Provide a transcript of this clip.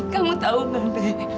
kamu tahu nggak nenek